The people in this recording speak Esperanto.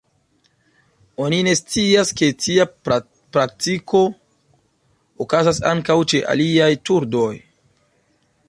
Oni ne scias, ke tia praktiko okazas ankaŭ ĉe aliaj turdoj.